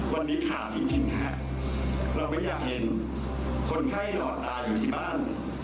วันนี้ข่าวจริงฮะเราไม่อยากเห็นคนไข้หลอดตาอยู่ที่บ้าน